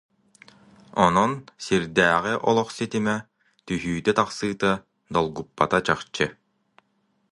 Онон сирдээҕи олох ситимэ, түһүүтэ-тахсыыта долгуппата чахчы